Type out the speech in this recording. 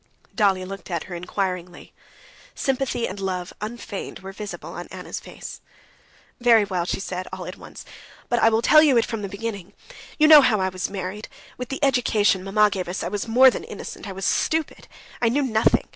Dolly looked at her inquiringly. Sympathy and love unfeigned were visible on Anna's face. "Very well," she said all at once. "But I will tell you it from the beginning. You know how I was married. With the education mamma gave us I was more than innocent, I was stupid. I knew nothing.